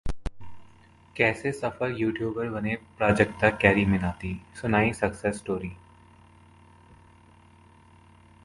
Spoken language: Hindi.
कैसे सफल यूट्यूबर बने प्राजकता-कैरीमिनाती? सुनाई सक्सेस स्टोरी